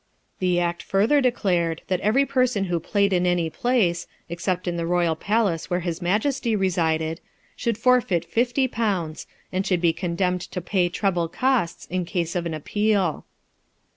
The Act further declared, that every person who played in any place, except in the royal palace where his majesty resided, should forfeit fifty pounds, and should be condemned to pay treble costs in case of an appeal.